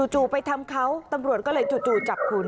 ไปทำเขาตำรวจก็เลยจู่จับคุณ